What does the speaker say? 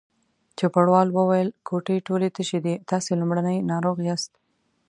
چوپړوال وویل: کوټې ټولې تشې دي، تاسې لومړنی ناروغ یاست.